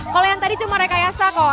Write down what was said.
kalau yang tadi cuma rekayasa kok